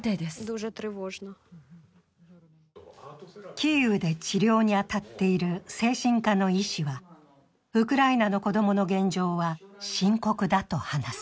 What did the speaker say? キーウで治療に当たっている精神科の医師はウクライナの子供の現状は深刻だと話す。